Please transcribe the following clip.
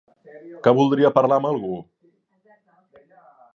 Que voldria parlar amb algú?